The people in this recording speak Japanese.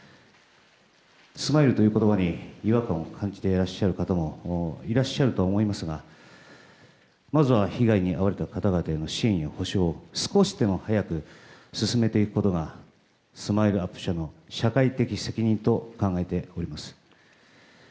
スマイルという言葉に違和感を感じていらっしゃる方もいらっしゃるとは思いますがまずは被害に遭われた方々への支援や補償を少しでも早く進めていくことがＳＭＩＬＥ‐ＵＰ．社の社会的責任と考えております。